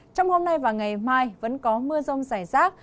trong hôm nay và ngày mai vẫn có mưa rong dài rác